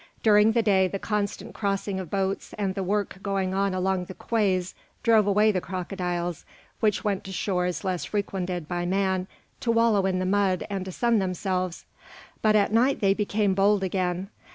During the day the constant crossing of boats and the work going on along the quays drove away the crocodiles, which went to shores less frequented by man to wallow in the mud and to sun themselves; but at night they became bold again.